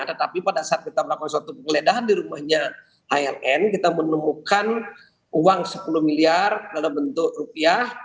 tetapi pada saat kita melakukan suatu penggeledahan di rumahnya hln kita menemukan uang sepuluh miliar dalam bentuk rupiah